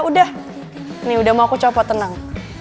udah mau aku copot tenang